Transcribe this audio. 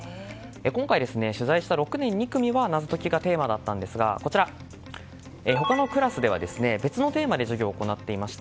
今回取材した６年２組は謎解きがテーマだったんですが他のクラスでは、別のテーマで授業を行っていました。